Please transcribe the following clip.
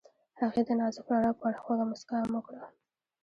هغې د نازک رڼا په اړه خوږه موسکا هم وکړه.